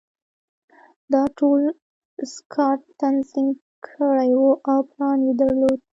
دا ټول سکاټ تنظیم کړي وو او پلان یې درلود